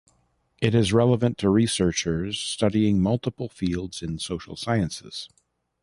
It is relevant to researchers studying multiple fields in social sciences.